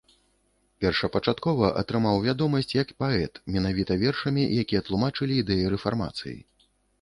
Першапачаткова атрымаў вядомасць як паэт менавіта вершамі, якія тлумачылі ідэі рэфармацыі.